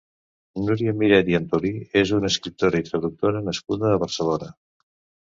Núria Miret i Antolí és una escriptora i traductora nascuda a Barcelona.